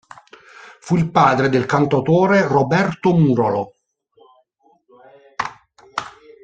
Fu il padre del cantautore Roberto Murolo.